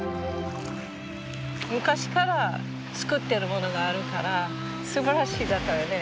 昔から作ってるものがあるからすばらしいだからね。